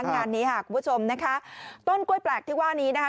งานนี้ค่ะคุณผู้ชมนะคะต้นกล้วยแปลกที่ว่านี้นะคะ